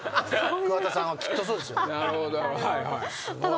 桑田さんはきっとそうですよ。